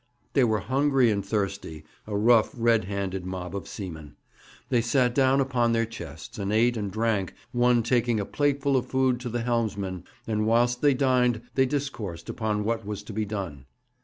They were hungry and thirsty, a rough, red handed mob of seamen. They sat down upon their chests, and ate and drank, one taking a plateful of food to the helmsman, and whilst they dined they discoursed upon what was to be done.